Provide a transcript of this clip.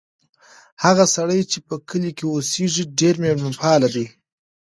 هغه سړی چې په کلي کې اوسیږي ډېر مېلمه پال دی.